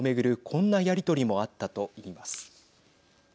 こんなやり取りもあったといいます。